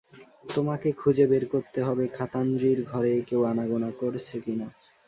তোমাকে খুঁজে বের করতে হবে খাতাঞ্জির ঘরে কেউ আনাগোনা করছে কি না।